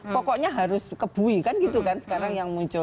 pokoknya harus kebui kan gitu kan sekarang yang muncul